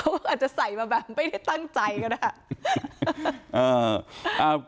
เขาอาจจะใส่มาแบบไม่ได้ตั้งใจก็ได้